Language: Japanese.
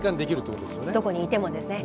どこにいてもですね。